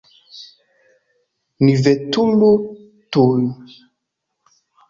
Ni veturu tuj!